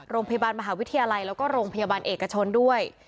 โรงพยาบาลมหาวิทยาลัยแล้วก็โรงพยาบาลเอกชนด้วย